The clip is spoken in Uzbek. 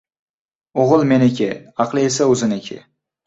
• O‘g‘il meniki, aqli esa o‘ziniki.